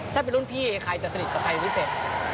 ถ้าเป็นรุ่นพี่ใครจะสนิทกับใครพิเศษ